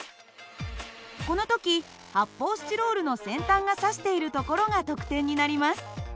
この時発泡スチロールの先端が指しているところが得点になります。